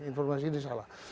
informasi ini salah